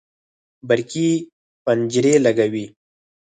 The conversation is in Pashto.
برقي پنجرې لګوي